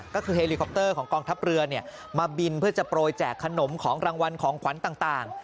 ก็คือเฮลิคอปเตอร์ของกองทัพเรือมาบินเพื่อจะโปรยแจกขนมของรางวัลของขวัญต่าง